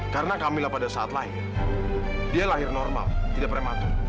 karena camilla pada saat lahir dia lahir normal tidak prematur